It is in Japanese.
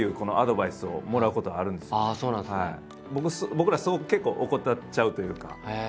僕らすごく結構怠っちゃうというか。